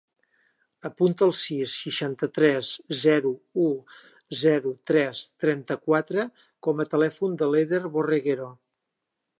Apunta el sis, seixanta-tres, zero, u, zero, tres, trenta-quatre com a telèfon de l'Eder Borreguero.